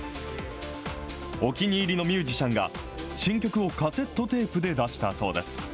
お気に入りのミュージシャンが、新曲をカセットテープで出したそうです。